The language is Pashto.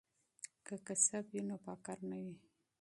که کسب وي نو فقر نه وي.